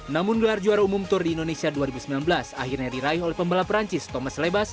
namun gelar juara umum tour di indonesia dua ribu sembilan belas akhirnya diraih oleh pembalap perancis thomas lebas